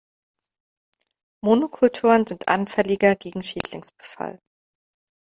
Monokulturen sind anfälliger gegen Schädlingsbefall.